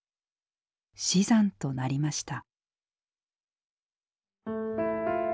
死産となりました。